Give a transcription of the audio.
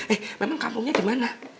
eh memang kampungnya di mana